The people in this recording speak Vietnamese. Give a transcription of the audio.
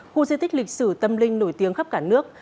khu di tích lịch sử tâm linh nổi tiếng khắp cả nước